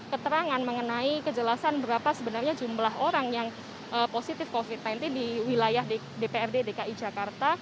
keterangan mengenai kejelasan berapa sebenarnya jumlah orang yang positif covid sembilan belas di wilayah dprd dki jakarta